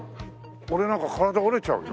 俺なんか体折れちゃうよ。